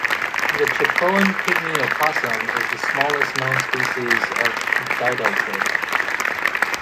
The Chacoan pygmy opossum is the smallest known species of didelphid.